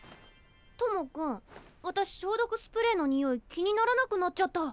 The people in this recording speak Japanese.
友くん私消毒スプレーのにおい気にならなくなっちゃった。